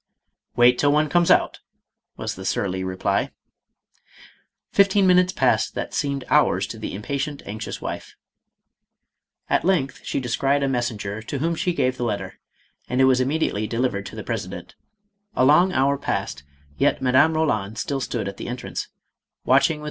" Wait till one comes out,' ' was the surly reply. Fifteen minutes passed that seemed hours to the impatient, anxious wife. At length she descried a messenger to whom she gave the letter, and it was immediately delivered to the presi MADAME ROLAND. 511 dent. A long hour passed, yet Madame Eoland still stood at the entrance, watching with